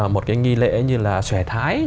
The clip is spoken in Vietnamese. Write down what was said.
một cái nghi lễ như là xòe thái